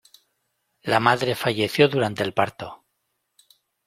La madre falleció durante el parto.